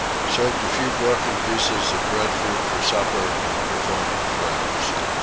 Served a few broken pieces of breadfruit for supper and performed prayers.